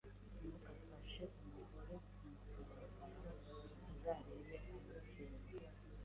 Ntugafashe umugore kumugaragaro. Uzareba amakenga.